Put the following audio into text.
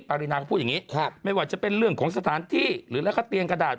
ปรินาก็พูดอย่างนี้ไม่ว่าจะเป็นเรื่องของสถานที่หรือแล้วก็เตียงกระดาษ